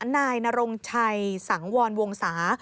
นายนรงชัยสังวรวงศา